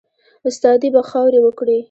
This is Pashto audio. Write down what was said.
استادي به خاوري وکړې